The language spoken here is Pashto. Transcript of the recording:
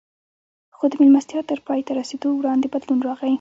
خو د مېلمستیا تر پای ته رسېدو وړاندې بدلون راغی